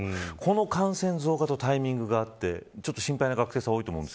この感染増加とタイミングがあってちょっと心配な学生さん